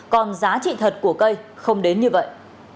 còn giá trị thật của cây không đến như vậy